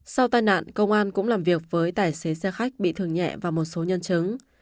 sau tai nạn công an cũng làm việc với tài xế xe khách bị thương nhẹ và một số nhân chứng